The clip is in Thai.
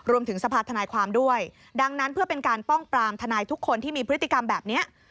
สภาธนายความด้วยดังนั้นเพื่อเป็นการป้องปรามทนายทุกคนที่มีพฤติกรรมแบบนี้